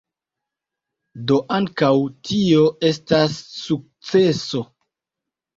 Do, ankaŭ tio estas sukceso.